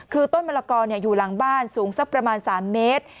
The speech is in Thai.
คือต้นมะละกออยู่หลังบ้านสูงสักประมาณ๓เมตร